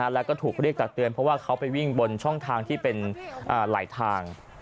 แล้วก็ถูกเรียกตักเตือนเพราะว่าเขาไปวิ่งบนช่องทางที่เป็นหลายทาง